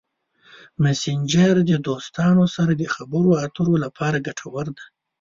مسېنجر د دوستانو سره د خبرو اترو لپاره ګټور دی.